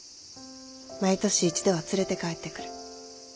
毎年一度は連れて帰ってくる。